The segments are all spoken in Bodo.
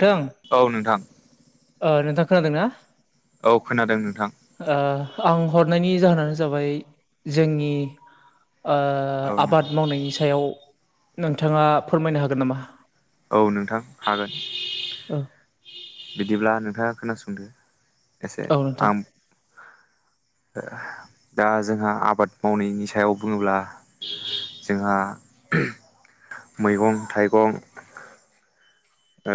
थों औ नोंथां ओ नोंथां खोनादोंना? औ खोनादों नोंथां। ओ आं हरनायनि जाहोनानो जाबाय जोंनि ओ औ नोंथां आबाद मावनायनि सायाव नोंथाङा फोरमायनो हागोन नामा? औ नोंथां हागोन। ओ। बिदिब्ला नोंथाङा खोनासंदो एसे औ नोंथां आं दा जोंहा आबाद मावनायनि सायाव बुङोब्ला जोंहा मैगं थाइगं ओ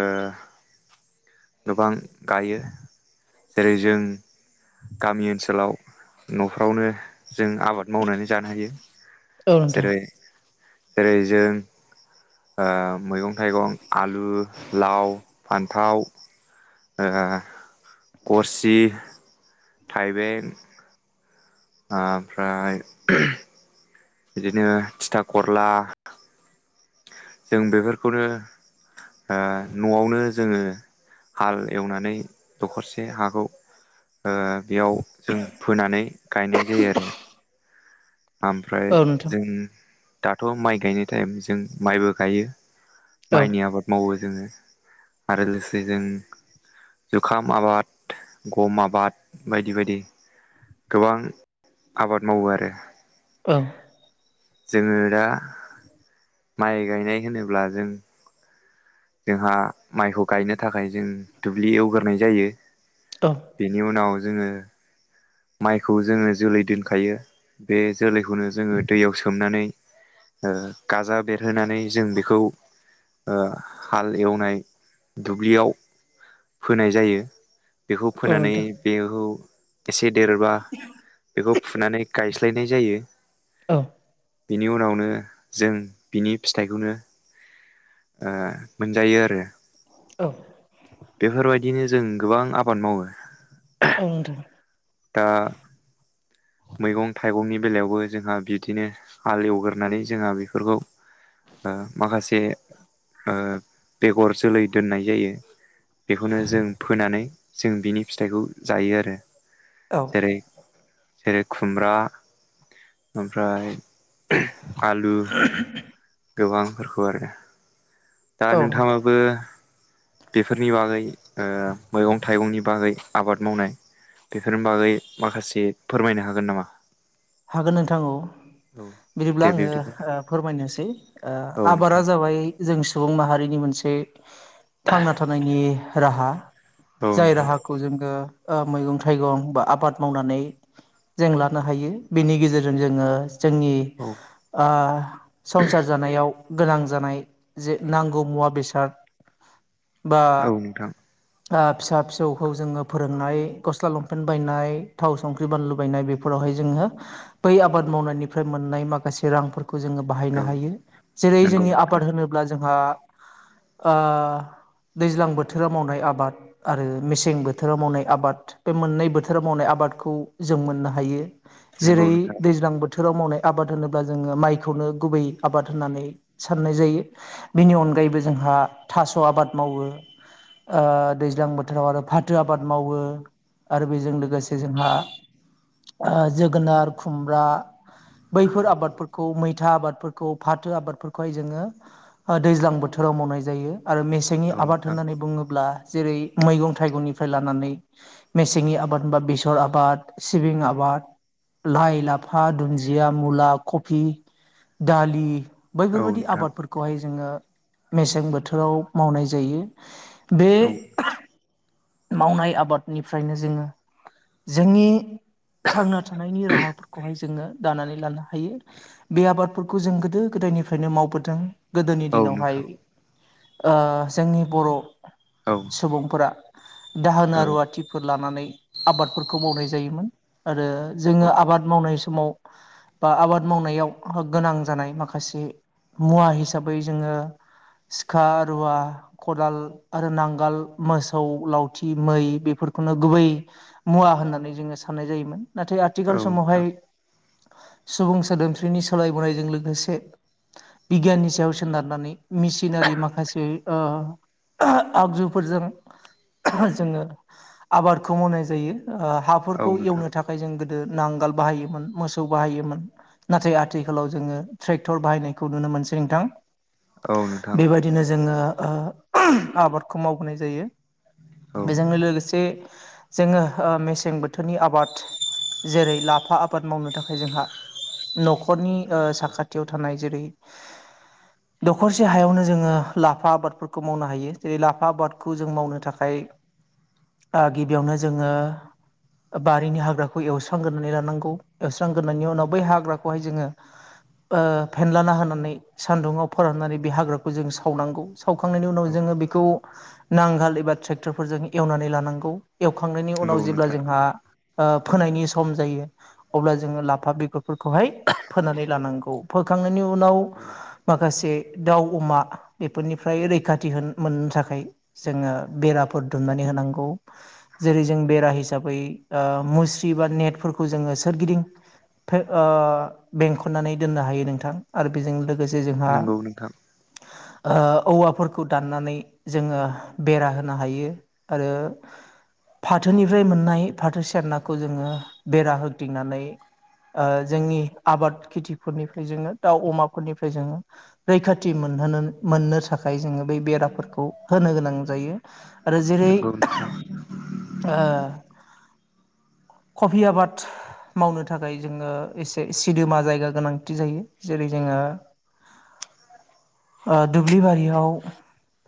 गोबां गायो जेरै जों गामि ओनसोलाव नफ्रावनो। जों आबाद मावनानै जानो हायो औ नोंथां जेरै जेरै जों ओ मैगं थाइगं आलु लाव फान फथाव ओ गरसि थाइबेन। ओमफ्राय बिदिनो थिथा खरला जों बेफोरखौनो ओ नआवनो जोङो हाल एवनानै दखरसे हाखौ ओ बेयाव जों फोनानै गायनाय जायो आरो ओमफ्राय औ नोंथां जों दाथ माइ गायनाय टाइम जों माइबो गायो औ माइनि आबाद मावो जोङो आरो लोगोसे जों जुखाम आबाद गम आबाद बायदि बायदि गोबां आबाद मावो आरो औ जोङो दा माइ गायनाय होनोब्ला जों जोंहा माइखौ गायनो थाखाय जों दुब्लि एवग्राय जायो। बेनि उनाव जोङो। माइखौ जोङो जोलै दोनखायो बे जोलैखौनो जोङो दैयाव सोमनानै। ओ गाजा बेरहोनानै जों बेखौ। ओ हाल एवनाय दुब्लियाव फोनाय जायो। बेखौ औ फोनानै नोंथां बेखौ। एसे देरोबा बेखौ फुनानै गायस्लायनाय जायो औ बेनि उनावनो जों बिनि फिथाइखौनो ओ मोनजायो आरो औ बेफोरबायदिनो जों गोबां आबाद मावो [unintelligible] दा मैगं थाइगंनि बेलायावबो जोंहा बिदिनो हाल एवगोरनानै जोंहा बेफोरखौ ओ माखासे बेगर जोलै दोननाय जायो बेखौनो जों फोनानै जों बिनि फिथाइखौ जायो आरो। औ जेरै जेरै खुमब्रा ओमफ्राय। आलु गोबांफोरखौ आरो दा औ नोंथां नोंथाङाबो बेफोरनि बागै ओ मैगं थाइगंनि बागै आबाद मावनाय बेफोरनि बागै माखासे फोरमायनो हागोन नामा हागोन नोंथां औ औ दे बिदिब्ला आङो बिब्दिब्ला फोरमायनो। सै औ आबादा नोंथां जाबाय जों सुबुं माहारिनि मोनसे। थांना थानायनि राहा औ जाय नोंथां राहाखौ जोङो। ओ मैगं थाइगं बा आबाद मावनानै जों लानो हायो बेनि गेजेरजों जोङो। जोंनि औ ओ संसार जानायाव। गोनां जानाय जे नांगौ मुवा बेसाद। बा औ नोंथां। ओ फिसा फिसौखौ जोङो फोरोंनाय गस्ला लंपेन्ट बायनाय थाव संख्रि बानलु बायनाय बेफोराव। जोंङो बै आबाद मावनायनिफ्राय मोननाय माखासे रांफोर। खौ जोङो औ बाहायनो हायो जेरै नंगौ जोंनि नोंथां आबाद होनोब्ला जोंहा ओ दैज्लां बोथोराव मावनाय आबाद आरो मेसें बोथोराव मावनाय आबाद बे मोननै बोथोराव मावनाय आबाद बादखौ जों मोननो हायो नंगौ जेरै नोंथां दैज्लां बोथो थोराव मावनाय आबाद होनोब्ला जोङो माइखौनो गुबै आबाद होननानै साननाय जायो बेनि अनगा जायबो जोंहा थास' आबाद मावो ओ दैज्लां बोथोराव आरो फाथो आबाद मावो। आरो बेजों लोगोसे जोंहा जोगोनार खुमब्रा बैफोर आबादफोरखौ मैथा आबादफोरखौ फाथो आबादफोरखौहाय जोङो दैज्लां बोथोर आव मावनाय जायो आरो मेसेंनि औ आबाद नोंथां होन्नानै बुङोब्ला जेरै मैगं थाइगंनिफ्राय लानानै मेसेंनि आबाद होनबा बेसर आबाद सिबिं आबाद बाद लाइ लाफा दुन्दिया मुला कफि दालि औ बैफोरबायाददि नोंथां आबादफोरखौहाय जोङो मेसें बोथोराव मावनाय जायो। बे औ मावनाय आबादनिफ्रायनो जोङो जोंनि थांना थानायनि राहाफोरखौहाय जोङो दानानै लानो हायो बे आबादफोरखौ जों गोदो गोदाय निफ्रायनो मावबोदों। गोदोनि औ दिनावहाय नोंथां ओ जोंनि बर' औ सुबुंफोरा दाहोना औ रुवाथिफोर लानानै आबादफोरखौ मावनाय जायोमोन आरो जोङो औ आबाद मावनाय समाव बा आबाद मावनायाव गोनां जानाय माखासे मुवा हिसाबै जोङो सिखा रुवा खदाल आरो नांगोल मोस सौ लावथि मै बेफोरखौनो गुबै मुवा होननानै जोङो साननाय जायोमोन। नाथाय औ आथिखाल समावहाय नोंथां सुबुं सोदोमस्रिनि सोलायबोनायजों लोगोसे बिगियाननि सायाव सोनारनानै मेसिनारि माखासे ओ आगजुफोरजों जोङो आबादखौ मावनाय जायो ओ औ हाफोरखौ नोंथां एवनो थाखाय जों गो नांगाल बाहायोमोन मोसौ बाहायोमोन। नाथाय आथिखालाव जोङो ट्रेक्टर बाहायनायखौ नुनो मोनसै नोंथां। औ नोंथां। बेबायदिनो जोङो ओ आबादखौ मावबोनाय जायो औ बेजोंनो लोगोसे जोङो ओ मेसें बोथोरनि आबाद जेरै लाफा आबाद मावनो थाखाय जोंहा न'खरनि औ साखाथियाव थानाय जेरै दखरसे हायावनो जोङो लाफा आबादफोरखौ मावनो हायो जेरै लाफा आबादखौ जों मावनो थाखाय ओ गिबियावनो जोङो बारिनि हाग्राखौ एवस्रांग्रोनानै लानांगौ एवस्रांग्रोनायनायनि उनाव बै हाग्राखौहाय जोङो ओ फेनलाना होनानै सान्दुङाव फोराननानै बे हाग्राखौ जों सावनांगौ सावखांनायनि उनाव औ जों बिखौ नांगाल एबा ट्रेक्टर फोरजों एवनानै लानांगौ एवखांनायनि नंगौ उनाव जेब्ला नोंथां जोंहा ओ फोनायनि सम जायो अब्ला जोङो लाफा बेगरफोरखौहाय फोनानै लानांगौ फोखांनायनि उ उनाव औ माखासे दाउ अमा बेफोरनिफ्राय रैखाथि होन मोननो थाखाय जोङो बेराफोर दुमनानै होनांगौ जेरै जों बेरा हिसाबै ओ मुस्रि बा नेट फोरखौ जोङो सोरगिदिं ओमफाय ओ बेंखननानै दोननो हायो नोंथां आरो बेजों लोगोसे जोंहा नंगौ नोंथां। ओ औवाफोरखौ दाननानै जोङो बेरा होनो हायो आरो फाथोनिफ्राय मोननाय फाथो सेरनाखौ जोङो बेरा होग्दिंनानै ओ जोंनि आबाद खेथिफोरनिफ्राय जोङो दाउ अमाफोरनिफ्राय जोङो रैखाथि मोन [unintelligible] मोननो थाखाय जोङो बै बेराफोरखौ होनो गोनां जायो। आरो जेरै- नंगौ नोंथां [unintelligible] ओ कफि आबाद मावनो थाखाय जोङो एसे सिदोमा जायगा गोनांथि जायो जेरै- जोङो ओ दुब्लि बारियाव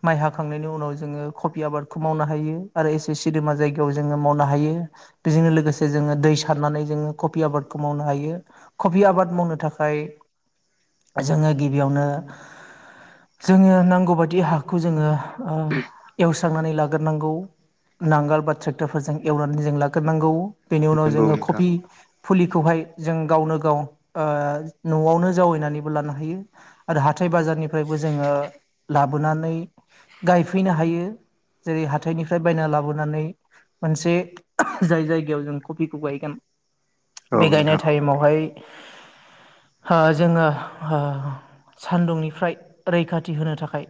माइ हाखांनायनि उनाव जोङो कफि आबादखौ मावनो हायो आरो एसे सिदोमा जायगायाव जोङो मावनो हायो बेजोंनो लोगोसे जोङो दै सारनानै जोङो कफि आबादखौ मावनो हायो कफि आबाद मावनो थाखाय जोङो गिबियावनो जोङो नांगौबायदि हाखौ जोङो ओ एवस्रांनानै लाग्रोनांगौ नांगोल बा ट्रेक्टरफोरजों एवनानै जों लाग्रोनांगौ बेनि उनाव नंगौ जोङो नोंथां कफि फुलि खौहाय जों गावनो गाव ओ न'आवनो जावैनानैबो लानो हायो आरो हाथाय बाजार फोरनिफ्रायबो जोङो लाबोनानै गायफैनो हायो। जेरै- हाथायनिफ्राय बायना लाबोनानै मोनसे जाय जायगायाव जों कफिखौ गायगोन औ बे गायनाय नोंथां टाइमावहाय हो जोङो हो सान्दुंनिफ्राय रैखाथि होनो थाखाय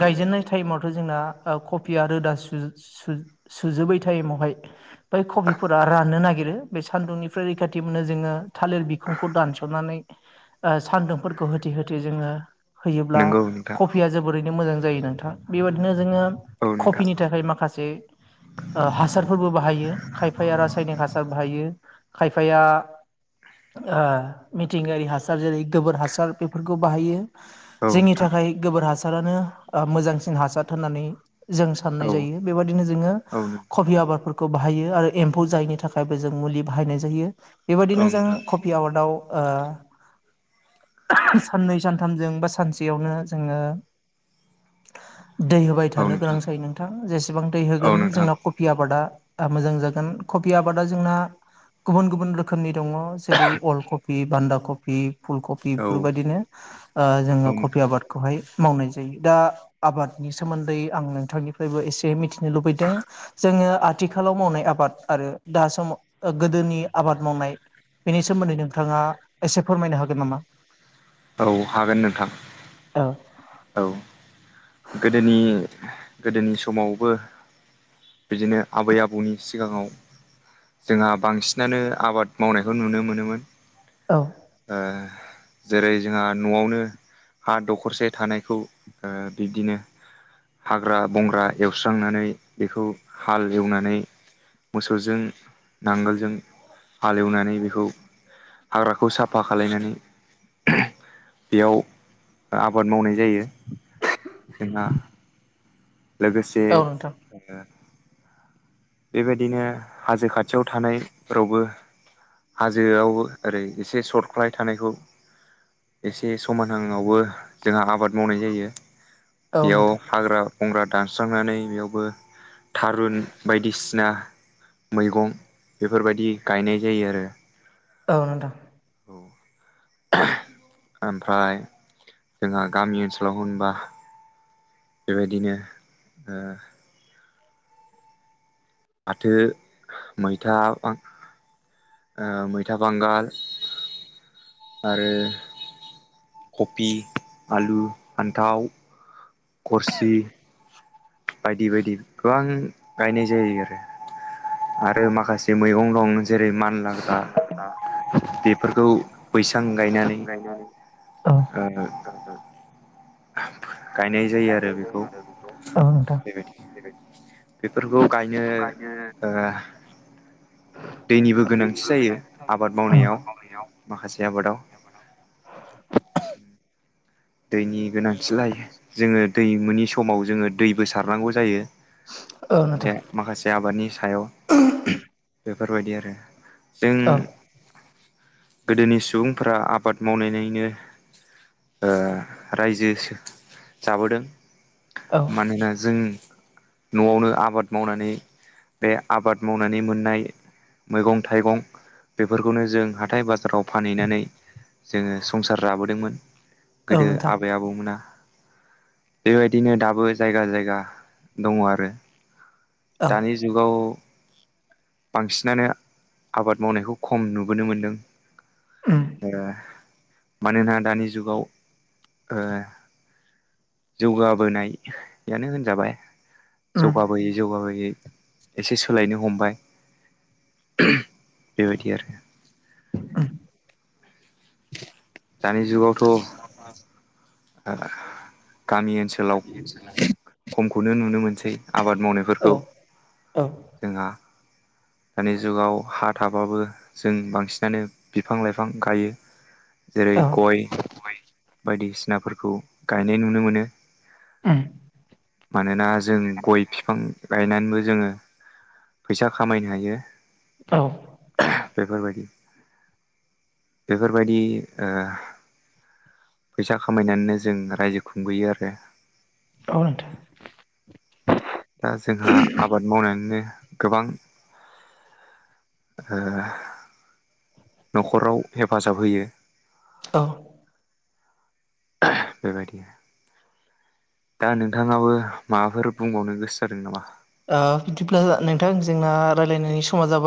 गायजेननाय टाइमाव जोंना ओ कफिया रोदा सु-सु-सुजोबै टाइमावहाय बै कफिफोरा रानो नागिरो बे सान्दुंनिफ्राय रैखाथि मोनो जोङो थालिर बिखुंखौ दानस'नानै ओ सान्दुंफोरखौ होथे होथे जोङो हैयोब्ला नंगौ नोंथां कफिया जोबोरैनो मोजां जायो नोंथां बेबायदिनो जोङो औ नोंथां कफिनि थाखाय माखासे ओ हासारफोरबो बाहायो खायफाया रासायनिक हासार बाहायो खायफाया ओ मिथिंगायारि हासार जेरै- गोबोर हासार बेफोरखौ बाहायो। औ जोंनि नोंथां थाखाय गोबोर हासारानो ओ मोजांसिन हासार होननानै जों औ साननाय जायो बेबायदिनो जोङो औ नों कफि आबादफोर खौ बाहायो आरो एम्फौ जायैनि थाखायबो जों मुलि बाहायनाय जायो औ बेबायदिनो जों नोंथां कफि आबादाव ओ साननै सानथामजों बा सानसेयावनो जोङो दै होबाय औ नोंथां औ थानो गोनां जायो नोंथां जेसेबां दै औ होगोन जोंना कफि आबादा ओ मोजां जागोन कफि आबादा जोंना गुबुन गुबुन रोखोमनि दङ जेरै- अल कफि बान्दा कफि फुल कफि बेफोरबायदिनो ओ जोङो कफि नोंथां आबादखौहाय मावनाय जायो दा आबादनि सोमोन्दै आं नोंथांनिफ्रायबो एसे मिथिनो लुबैदों जोङो आथिखालाव मावनाय आबाद बाद आरो दा समाव गोदोनि आबाद मावनाय बेनि सोमोन्दै नोंथाङा एसे फोरमायनो हागोन नामा? औ हागोन नोंथां। औ गोदोनि गोदोनि समावबो बिदिनो आबै आबौनि सिगाङाव जोंहा बांसिनानो आबाद मावनायखौ नुनो मोनोमोन। औ ओ जेरै- जोंहा न'आवनो हा दखरसे थानायखौ ओ बिब्दिनो हाग्रा बंग्रा एवस्रांनानै बेखौ हाल एवनानै मोसौजों नांगोलजों हालेवनानै बेखौ हाग्राखौ साफा खालायनानै बेयाव आबाद मावनाय जायो जोंहा लोगोसे औ नोंथां ओ बेबायदिनो हाजो खाथियाव थानायफोरावबो हाजोआवबो ओरै एसे सर्टख्लाय थानायखौ एसे समानहांआवबो जोंहा आबाद मावनाय जायो औ बेयाव नोंथां हाग्रा बंग्रा दानस्रांनानै बेयावबो थारुन बायदिसिना मैगं बेफोरबायदि गायनाय जायो आरो औ नोंथां औ ओमफ्राय जोंहा गामि ओनसोलाव होनबा बेबायदिनो अ फाथो मैथा बां अ मैथा बांगाल आरो कबि आलु फान्थाव करसि बायदि-बायदि गोबां गायनाय जायो आरो आरो माखासे मैगं दं जेरै मान लाग्रा बेफोरखौ बैसां गायनानै औ गानो ओमफाय गायनाय जायो आरो बेखौ औ नोंथां बेबायदि बेफोरखौ गायनो अ दैनिबो गोनांथि जायो आबाद मावनायाव माखासे आबादाव [inaudible] दैनि गोनांथिलाय जोंङो दैमुनि समाव जोंङो दैबो सारनांगौ जायो औ बे नोंथां माखासे आबादनि सायाव बे- फोरबायदि आरो जों औ गोदोनि सुबुंफोरा आबाद मावनायनायनो अ रायजो जाबोदों औ मानोना जों नआवनो आबाद मावनानै बे आबाद मावनानै मोननाय मैगं थाइगं बेफोरखौनो जों हाथाय बाजाराव फानहैनानै जोंङो संसार जाबोदोंमोन औ गोदो नोंथां आबै आबौमोना बेबायदिनो दाबो जायगा-जायगा दंङ आरो औ दानि जुगाव बांसिनानो आबाद मावनायखौ खम नुबोनो मोनदों उम एह मानोना दानि जुगाव अ जौगाबोनायानो होनजाबाय उम जौगाबोयै-जौगाबोयै एसे सोलायनो हमबाय बेबायदि आरो उम दानि जुगाव [inaudible] [inaudible] गामि ओनसोलाव खमखौनो नुनो मोनसै आबाद औ मावनायफोरखौ औ जोंहा दानि जुगाव हा थाबाबो जों बांसिनानो बिफां लाइफां गायो जेरै औ गय बायदिसिनाफोरखौ गायनाय नुनो मोनो उम [inaudible] मानोना जों गय बिफां गायनानैबो जोंङो फैसा खामायनो हायो औ औ बेफोरबायदि बेफोरबायदि ओह फैसा खामायनानैनो जों रायजो खुंबोयो आरो [unintelligible] दा जोंहा आबाद मावनानैनो। गोबां। [inaudible] ओ नखराव हेफाजाब होयो। औ। बेबायदि दा नोंथांङाबो। बिदिब्ला नोंथां जोंना रायज्लायनायनि समा जाबाय।